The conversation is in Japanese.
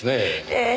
ええ。